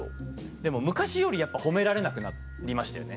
でも昔よりやっぱ褒められなくなりましたよね。